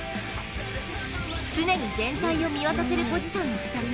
常に全体を見渡せるポジションの２人。